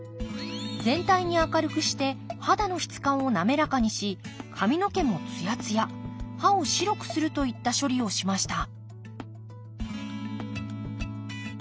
全体に明るくして肌の質感を滑らかにし髪の毛もつやつや歯を白くするといった処理をしました